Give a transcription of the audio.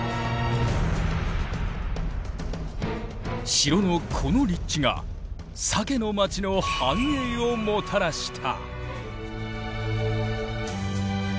城のこの立地が鮭のまちの繁栄をもたらした。